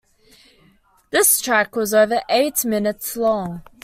This track was over eight minutes long.